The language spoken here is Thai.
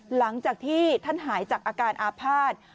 หลังจากที่ท่านหายจากอาการอาภาษณ์